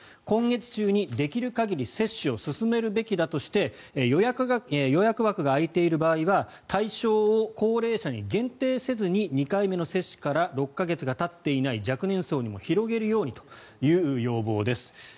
今月中にできる限り接種を進めるべきだとして予約枠が空いている場合は対象を高齢者に限定せずに２回目の接種から６か月がたっていない若年層にも広げるようにという要望です。